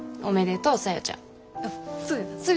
おめでとう！